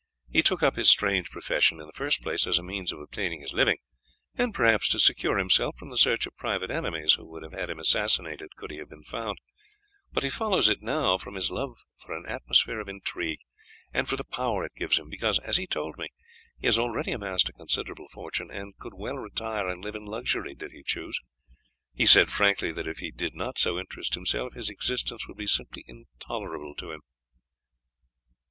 He took up his strange profession in the first place as a means of obtaining his living, and perhaps to secure himself from the search of private enemies who would have had him assassinated could he have been found; but he follows it now from his love for an atmosphere of intrigue, and for the power it gives him, because, as he told me, he has already amassed a considerable fortune, and could well retire and live in luxury did he choose. He said frankly that if he did not so interest himself his existence would be simply intolerable to him.